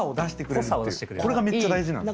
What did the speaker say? これがめっちゃ大事なんですね。